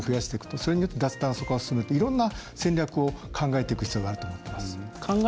それによって脱炭素化を進めていろんな戦略を考えていく必要があると思ってます。